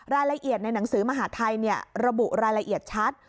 รายละเอียดในหนังสือมหาทัยระบุรายละเอียดชัด